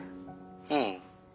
うん。